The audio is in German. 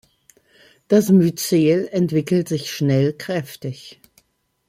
Das Myzel entwickelt sich schnell kräftig.